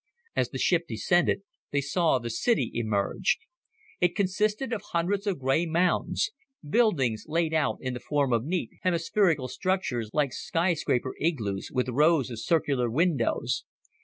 As the ship descended, they saw the city emerge. It consisted of hundreds of gray mounds buildings laid out in the form of neat hemispherical structures, like skyscraper igloos, with rows of circular windows.